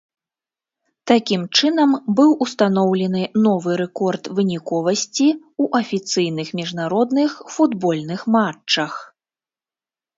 Такім чынам быў устаноўлены новы рэкорд выніковасці ў афіцыйных міжнародных футбольных матчах.